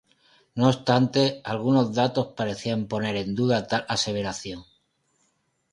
No obstante, algunos datos parecerían poner en duda tal aseveración.